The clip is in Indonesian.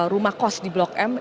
rumah kos di blok m